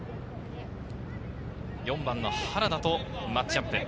４番の原田とマッチアップ。